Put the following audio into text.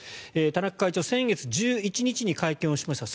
田中会長、先月１１日に会見をしました。